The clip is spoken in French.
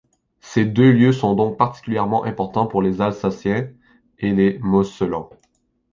Ces deux lieux sont donc particulièrement importants pour les Alsaciens et les Mosellans.